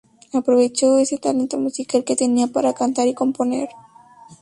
Aprovechó ese talento musical que tenía para cantar y componer.